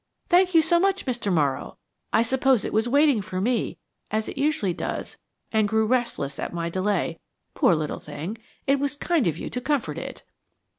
Thank you so much, Mr. Morrow. I suppose it was waiting for me, as it usually does, and grew restless at my delay, poor little thing! It was kind of you to comfort it!"